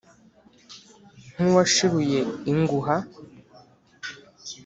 nk'uwashiruye inguha